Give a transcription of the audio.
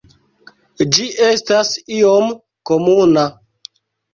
Ĝi estas iom komuna.